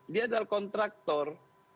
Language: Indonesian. dia adalah kontraktor